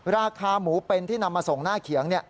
ราคาหมูเป็นที่นำมาส่งหน้าเขียง